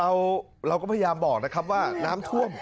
ความน้ำท่วมเพราะใจจะขาดหรือหลังขาคนเป็นแม่